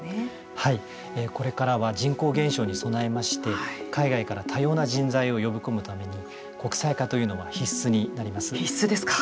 これからは人口減少に備えまして海外から多様な人材を呼び込むために国際化というのは必須になります。